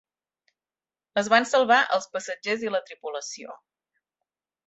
Es van salvar els passatgers i la tripulació.